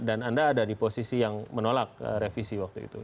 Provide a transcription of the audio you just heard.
dan anda ada di posisi yang menolak revisi waktu itu